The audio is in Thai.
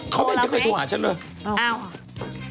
เขาไม่เคยโทรหาฉันด้วยโทรแล้วไหมอ้าว